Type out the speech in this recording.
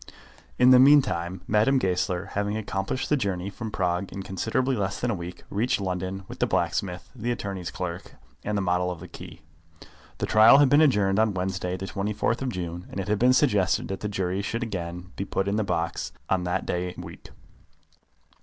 In the meantime Madame Goesler, having accomplished the journey from Prague in considerably less than a week, reached London with the blacksmith, the attorney's clerk, and the model of the key. The trial had been adjourned on Wednesday, the 24th of June, and it had been suggested that the jury should be again put into their box on that day week.